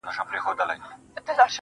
ځكه له يوه جوړه كالو سره راوتـي يــو.